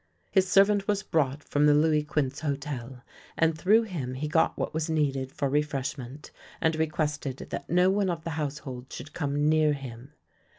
His ser vant was brought from the Louis Quinze Hotel, and through him he got what was needed for refreshment, and requested that no one of the household should come near him.